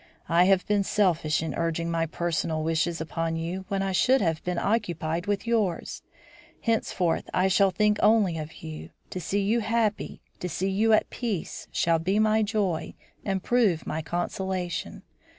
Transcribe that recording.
"I have been selfish in urging my personal wishes upon you when I should have been occupied with yours. Henceforth I shall think only of you. To see you happy, to see you at peace, shall be my joy and prove my consolation.